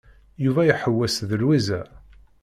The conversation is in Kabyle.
Yuba iḥewwes d Lwiza.